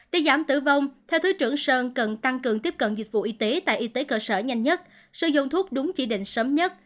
để giảm tử vong theo thứ trưởng sơn cần tăng cường tiếp cận dịch vụ y tế tại y tế cơ sở nhanh nhất sử dụng thuốc đúng chỉ định sớm nhất